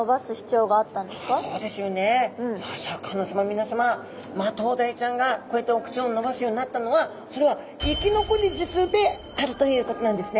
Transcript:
皆さまマトウダイちゃんがこうやってお口を伸ばすようになったのはそれは生き残り術であるということなんですね。